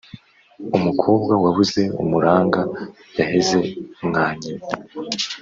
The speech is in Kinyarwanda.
Umukobwa wabuze umuranga yaheze mwa nyina.